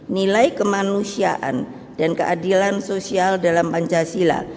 nilai kemanusiaan dan keadilan sosial dalam pancasila